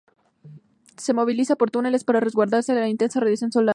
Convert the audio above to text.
Se movilizan por túneles para resguardarse de la intensa radiación solar.